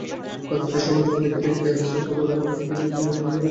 পাশ্চাত্যের সমাজ-জীবন দেখিতে একটি হাসির হুল্লোড়ের মত, কিন্তু একটু নীচেই উহা কান্নায় ভরা।